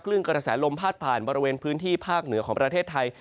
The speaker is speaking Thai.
กระแสลมพาดผ่านบริเวณพื้นที่ภาคเหนือของประเทศไทย